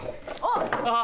あっ。